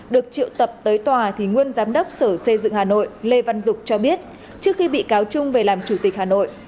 được triệu tập tới tòa thì nguyên giám đốc sở xây dựng hà nội lê văn dục cho biết trước khi bị cáo trung về làm chủ tịch hà nội